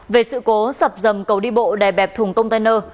về sự cố sập dầm cầu đi bộ đè bẹp thùng container